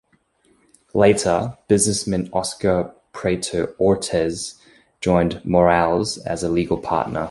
Later, businessman Oscar Prieto Ortiz joined Morales as a legal partner.